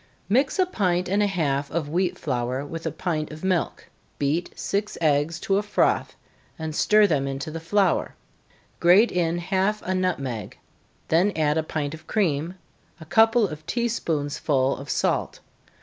_ Mix a pint and a half of wheat flour with a pint of milk beat six eggs to a froth, and stir them into the flour grate in half a nutmeg, then add a pint of cream, a couple of tea spoonsful of salt.